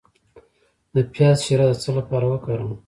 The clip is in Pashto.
د پیاز شیره د څه لپاره وکاروم؟